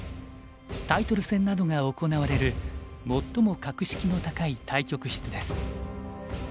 タイトル戦などが行われる最も格式の高い対局室です。